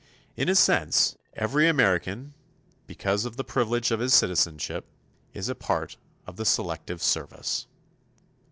In a sense, every American, because of the privilege of his citizenship, is a part of the Selective Service.